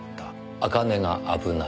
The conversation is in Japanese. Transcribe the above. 茜が危ない」